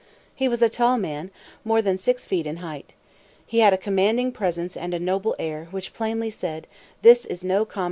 He was a tall man more than six feet in height. He had a commanding presence and a noble air, which plainly said: "This is no common man."